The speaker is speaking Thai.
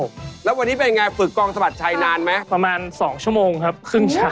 เขายังมีการสองชั่วโมงครับครึ่งเช้า